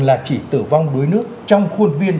là chỉ tử vong đuối nước trong khuôn viên